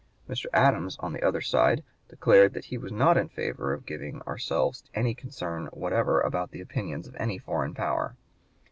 Mr. Adams on the other side declared that he was not in favor of our giving ourselves any concern whatever about the opinions of any (p. 129) foreign power.